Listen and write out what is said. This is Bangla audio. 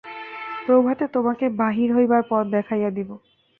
প্রভাতে তোমাকে বাহির হইবার পথ দেখাইয়া দিব।